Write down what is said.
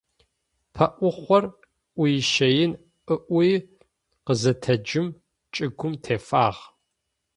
Пэӏухъор ӏуищэин ыӏуи къызэтэджым чӏыгум тефагъ.